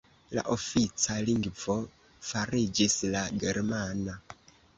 La ofica lingvo fariĝis la germana.